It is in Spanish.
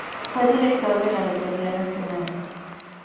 Fue director de la lotería nacional.